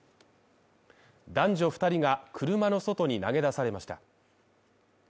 男女２人が車の外に投げ出されました。